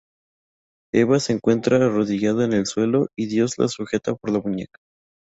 Eva se encuentra arrodillada en el suelo y Dios la sujeta por la muñeca.